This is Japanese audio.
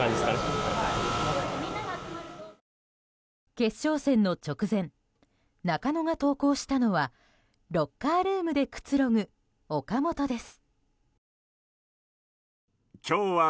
決勝戦の直前中野が投稿したのはロッカールームでくつろぐ岡本です。